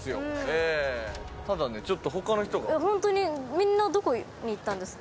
みんなどこに行ったんですか？